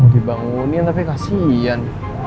dibangunin tapi kasian